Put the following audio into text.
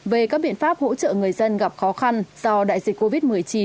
về các biện pháp hỗ trợ người dân gặp khó khăn do đại dịch covid một mươi chín